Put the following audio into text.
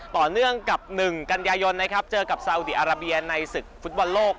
ต่อเนื่องกับ๑กันยายนนะครับเจอกับซาอุดีอาราเบียในศึกฟุตบอลโลก